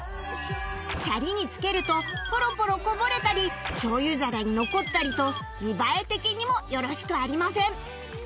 シャリにつけるとポロポロこぼれたりしょう油皿に残ったりと見栄え的にもよろしくありません